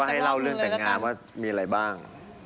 ให้เล่าเรื่องแต่งงานว่ามีอะไรบ้าง